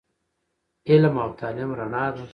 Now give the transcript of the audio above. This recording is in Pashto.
علم او تعليم رڼا ده